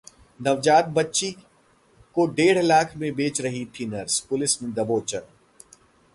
नवजात बच्ची को डेढ़ लाख में बेच रही थी नर्स, पुलिस ने दबोचा